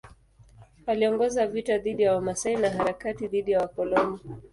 Aliongoza vita dhidi ya Wamasai na harakati dhidi ya wakoloni.